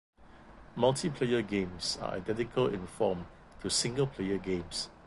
Multiplayer games are identical in form to single player games.